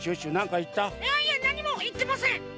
いやいやなにもいってません！